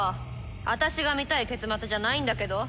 私が見たい結末じゃないんだけど？